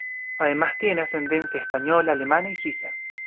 Además tiene ascendencia española, alemana y suiza.